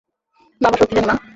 বাবা সত্যি জানে, মা?